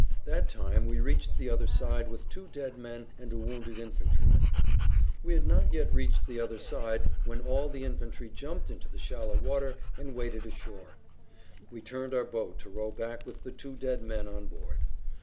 That time we reached the other side with two dead men and a wounded infantryman. We had not yet reached the other side when all the infantry jumped into the shallow water and waded ashore. We turned our boat to row back with the two dead men on board.